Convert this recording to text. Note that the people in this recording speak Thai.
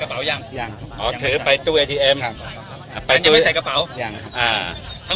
อสมมติยังถืออยู่ในมือใส่กระเป๋ายัง